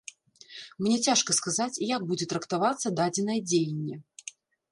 Мне цяжка сказаць, як будзе трактавацца дадзенае дзеянне.